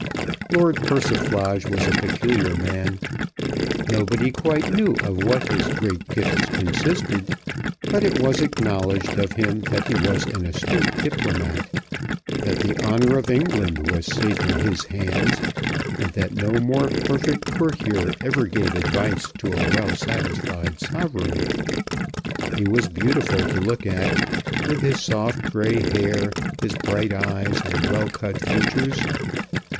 Lord Persiflage was a peculiar man. Nobody quite knew of what his great gifts consisted. But it was acknowledged of him that he was an astute diplomat; that the honour of England was safe in his hands; and that no more perfect courtier ever gave advice to a well satisfied sovereign. He was beautiful to look at, with his soft grey hair, his bright eyes, and well cut features.